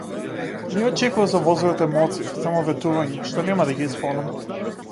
Не очекува за возврат емоции, само ветувања, што нема да ги исполнам.